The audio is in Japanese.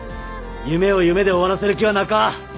夢を夢で終わらせる気はなか。